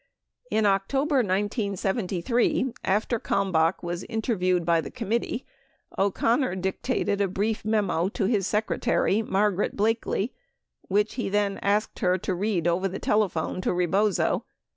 In October 1973, after Kalmbach was interviewed by the com mittee, O'Connor dictated a brief memo to his secretary, Margaret Blakely, which he then asked her to read over the telephone to Rebozo.